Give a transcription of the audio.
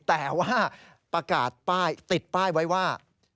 แต่ว่าประกาศป้ายติดป้ายไว้ว่า